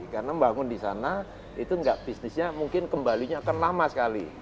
karena bangun di sana itu bisnisnya mungkin kembalinya akan lama sekali